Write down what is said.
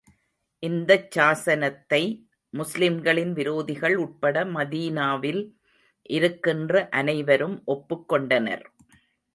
இந்தச் சாசனத்தை, முஸ்லிம்களின் விரோதிகள் உட்பட மதீனாவில் இருக்கின்ற அனைவரும் ஒப்புக் கொண்டனர்.